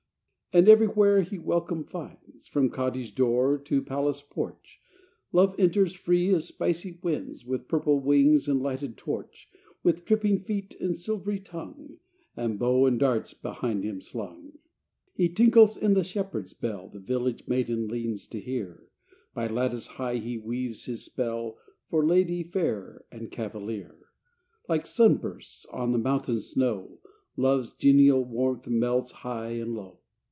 And everywhere he welcome finds, From cottage door to palace porch Love enters free as spicy winds, With purple wings and lighted torch, With tripping feet and silvery tongue, And bow and darts behind him slung. He tinkles in the shepherd s bell The village maiden leans to hear By lattice high he weaves his spell, For lady fair and cavalier : Like sun bursts on the mountain snow, Love s genial warmth melts high and low.